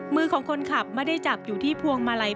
มือของคนขับไม่ได้จับอยู่ที่พวงมาลัย